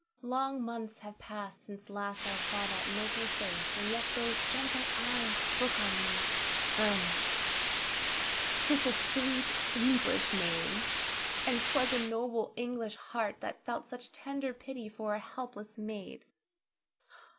Long months have passed since last I saw that noble face, and yet those gentle eyes look on me! Ernest! 'tis a sweet English name, and 'twas a noble English heart that felt such tender pity for a helpless maid.